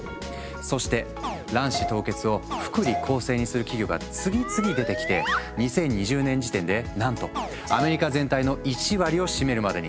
そして卵子凍結を福利厚生にする企業が次々出てきて２０２０年時点でなんとアメリカ全体の１割を占めるまでに。